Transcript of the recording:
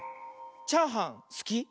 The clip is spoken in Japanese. チャーハンすき？